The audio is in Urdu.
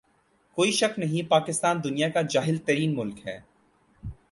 کوئی شک نہیں پاکستان دنیا کا جاھل ترین ملک ہے